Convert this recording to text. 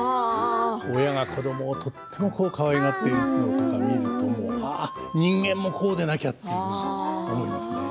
親が子どもをとってもかわいがっているところとかを見ると人間もこうでなきゃって思いますね。